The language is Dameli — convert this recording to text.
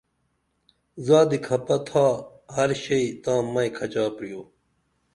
زادی کھپہ تھا ہر شئی تاں مئی کھچا پریو